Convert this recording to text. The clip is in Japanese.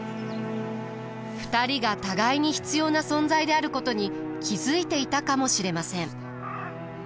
２人が互いに必要な存在であることに気付いていたかもしれません。